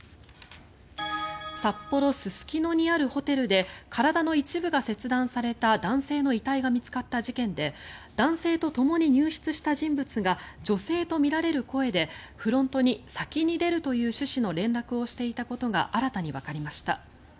札幌・すすきのにあるホテルで体の一部が切断された男性の遺体が見つかった事件で男性とともに入室した人物が女性とみられる声でフロントに先に出るという趣旨の連絡をしていたことが新たにわかりました。